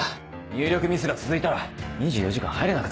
入力ミスが続いたら２４時間入れなくなる。